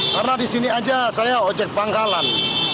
karena di sini aja saya ojek pangkalan